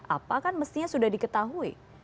apa kan mestinya sudah diketahui